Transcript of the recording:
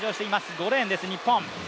５レーンです、日本。